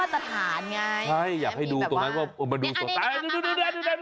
ใช่อยากให้ดูตรงนั้นก็ดูนี่มาประมาทวนเย็น